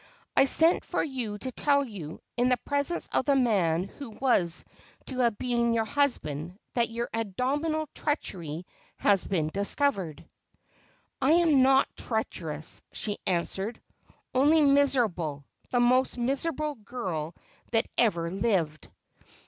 ' I sent for you to tell you, in the presence of the man who was to have been your husband, that your abominable treachery has been discovered.' ' I am not treacherous,' she answered, ' only miserable, the most miserable girl that ever lived.'